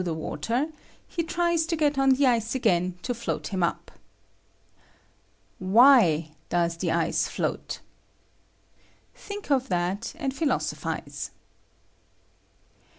78 ^^H the water, he tries to get on the ice again to ^^^ float him up. Why does the ice float? Think ^^H of that, and philosophize.